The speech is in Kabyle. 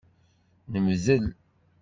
Nemdel.